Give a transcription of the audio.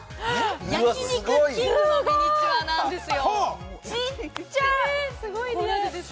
焼肉きんぐのミニチュアなんですよ。